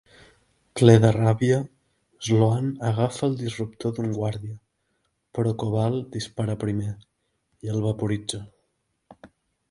Ple de ràbia, Sloan agafa el disruptor d'un guàrdia, però Koval dispara primer, i el vaporitza.